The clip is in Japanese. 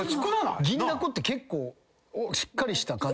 銀だこって結構しっかりした感じ。